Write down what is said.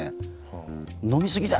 「飲み過ぎだ！」